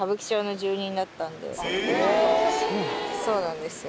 そうなんですか。